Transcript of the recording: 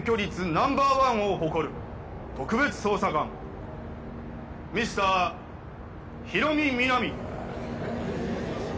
ナンバーワンを誇る特別捜査官ミスターヒロミ・ミナミ